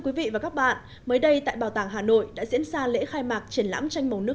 quý vị và các bạn mới đây tại bảo tàng hà nội đã diễn ra lễ khai mạc triển lãm tranh màu nước